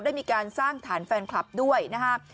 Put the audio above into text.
ได้มีการสร้างฐานแฟนคลับด้วยนะครับ